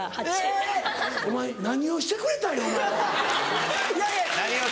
お前何をしてくれたんやお前は。